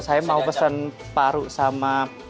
saya mau pesen paru sama